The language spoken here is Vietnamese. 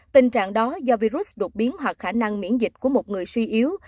tình trạng đó do virus đột biến hoặc khả năng miễn dịch của một người suy yếu